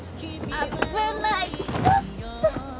危ないちょっと！